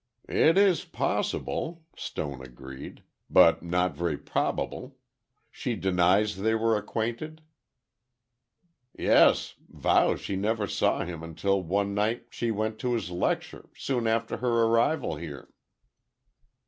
"It is possible," Stone agreed, "but not very probable. She denies they were acquainted?" "Yes. Vows she never saw him until one night she went to his lecture, soon after her arrival here."